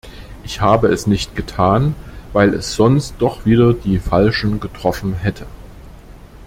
Ich habe es nicht getan, weil es sonst doch wieder die Falschen getroffen hätte.